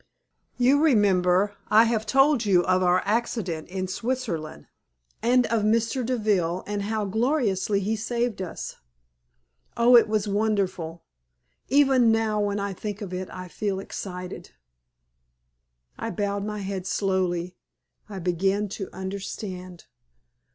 "You remember, I have told you of our accident in Switzerland, and of Mr. Deville, and how gloriously he saved us. Oh, it was wonderful! Even now when I think of it I feel excited." I bowed my head slowly. I began to understand.